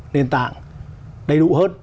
nền tảng đầy đủ hơn